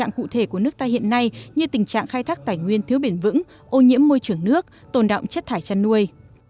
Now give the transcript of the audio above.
như tình trạng khai thác tài nguyên thiếu bền vững ô nhiễm môi trường nước tồn đọng chất thải chăn nuôi